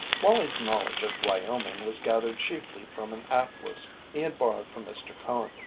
Wallie's knowledge of Wyoming was gathered chiefly from an atlas he had borrowed from Mr. Cone.